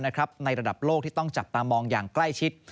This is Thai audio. ในระดับโลกที่ต้องจับตามองอย่างใกล้ชิด